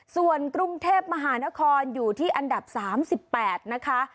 ส่วนกรุงเทพมหานครอยู่ที่อันดับสามสิบแปดนะคะ